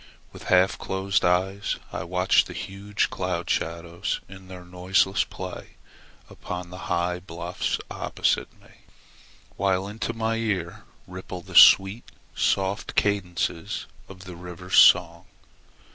With half closed eyes I watch the huge cloud shadows in their noiseless play upon the high bluffs opposite me, while into my ear ripple the sweet, soft cadences of the river's song.